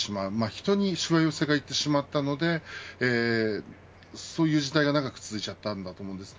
人にしわ寄せがいってしまったのでそういう時代が長く続いちゃったんだと思います。